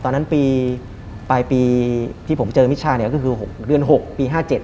ตอนนั้นปีปลายปีที่ผมเจอมิชชาเนี่ยก็คือ๖เดือน๖ปี๕๗